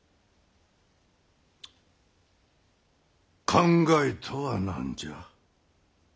考えとは何じゃ？